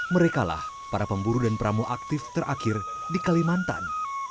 merekalah para pemburu dan pramu aktif terakhir di kalimantan